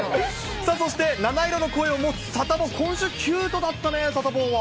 そして、七色の声を持つサタボー、今週、キュートだったね、サタボーは。